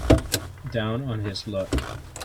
Down on his luck.